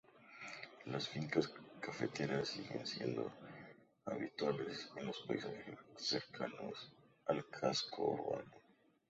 Las fincas cafeteras siguen siendo habituales en los paisajes cercanos al casco urbano.